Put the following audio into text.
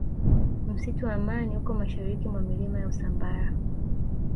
msitu wa amani uko mashariki mwa milima ya usambara